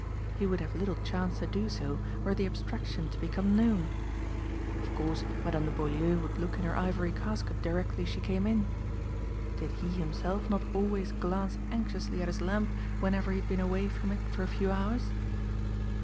He would have little chance to do so were the abstraction to become known. Of course Madame de Beaulieu would look in her ivory casket directly she came in. Did he himself not always glance anxiously at his lamp whenever he had been away from it for a few hours?